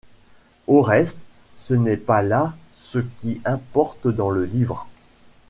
Au reste, ce n’est pas là ce qui importe dans le livre.